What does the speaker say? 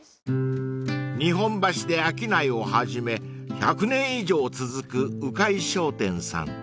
［日本橋で商いを始め１００年以上続く鵜飼商店さん］